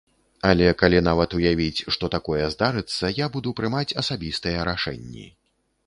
Але калі нават уявіць, што такое здарыцца, я буду прымаць асабістыя рашэнні.